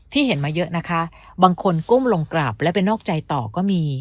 เห็นมาเยอะนะคะบางคนก้มลงกราบแล้วไปนอกใจต่อก็มี